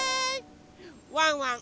ワンワン